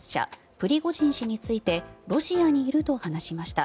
プリゴジン氏についてロシアにいると話しました。